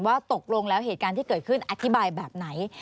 ว่าตกลงแล้วเหตุการณ์ที่เกิดขึ้นอธิบายแบบไหน